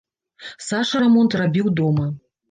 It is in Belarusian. Саша рамонт рабіў дома.